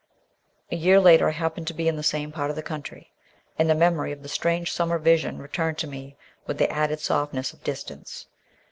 A year later I happened to be in the same part of the country, and the memory of the strange summer vision returned to me with the added softness of distance.